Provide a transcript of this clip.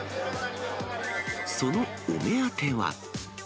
そのお目当ては？